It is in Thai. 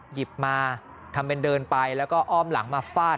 หยิบมาทำเป็นเดินไปแล้วก็อ้อมหลังมาฟาด